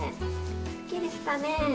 すっきりしたね。